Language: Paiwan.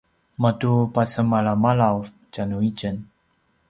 matu pasemalamalav tjanuitjen